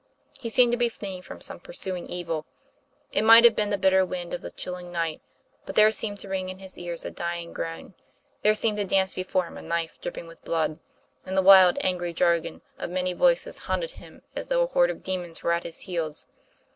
He seemed to be fleeing from some pursuing evil. It might have been the bitter wind of the chilling night; but there seemed to ring in his ear a dying groan; there seemed to dance before him a knife, dripping with blood; and the wild angry jargon of many voices haunted him as though a horde of demons were at his heels.